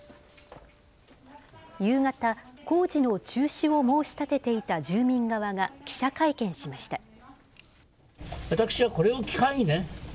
夕方、工事の中止を申し立てていた住民側が記者会見しました。